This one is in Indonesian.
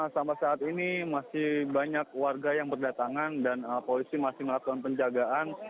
sampai saat ini masih banyak warga yang berdatangan dan polisi masih melakukan penjagaan